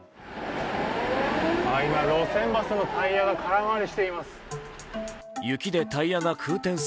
今、路線バスのタイヤが空回りしています。